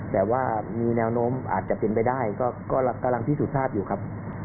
แต่ว่ามีแนวโน้มอาจจะเป็นไปได้ก็กำลังพิสูจน์ทราบอยู่ครับ